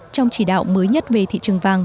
trong chỉ đạo mới nhất về thị trường vàng